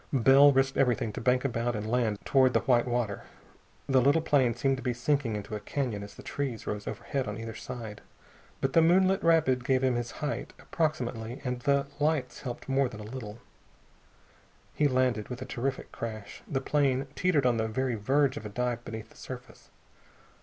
Bell risked everything to bank about and land toward the white water. The little plane seemed to be sinking into a canyon as the trees rose overhead on either side. But the moonlit rapid gave him his height, approximately, and the lights helped more than a little. He landed with a terrific crash. The plane teetered on the very verge of a dive beneath the surface.